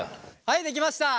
はいできました。